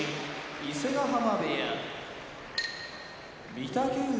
伊勢ヶ濱部屋御嶽海